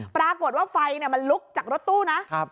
ปรากฏว่าไฟมันลุกจากรถตู้นะ